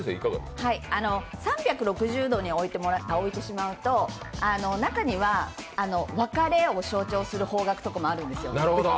３６０度に置いてしまうと、中には別れを象徴する方角とかもあるんですよ。